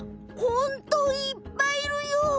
ホントいっぱいいるよ！